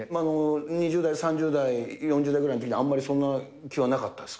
２０代、３０代、４０代ぐらいっていうのは、あんまりそんな気はなかったんですか。